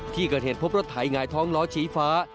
ที่เกิดเหตุพบรถไถหงายท้องล้อชี้ฟ้า